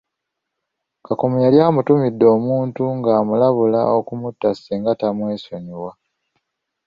Kakomo yali amutumidde omuntu ng'amulabula okumutta singa tamwesonyiwa.